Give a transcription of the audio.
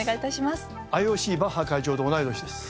ＩＯＣバッハ会長と同い年です。